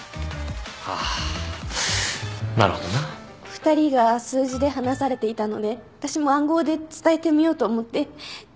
あなるほどな。お二人が数字で話されていたので私も暗号で伝えてみようと思って。